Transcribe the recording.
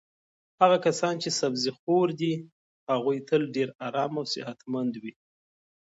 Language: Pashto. هغه کسان چې سبزي خور دي هغوی تل ډېر ارام او صحتمند وي.